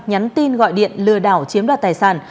nhắn tin gọi điện lừa đảo chiếm đoạt tài sản